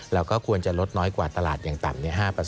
เราก็ควรจะลดน้อยกว่าตลาดอย่างต่ำ๕